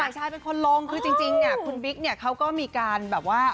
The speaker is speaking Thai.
ชายเป็นคนลงคือจริงเนี่ยคุณบิ๊กเนี่ยเขาก็มีการแบบว่า